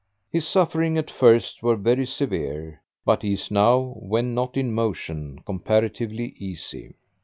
His sufferings at first were very severe, but he is now, when not in motion, comparatively easy.